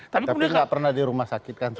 tapi gak pernah di rumah sakit kan